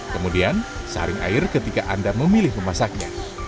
kemudian saring air ketika anda memilih memasaknya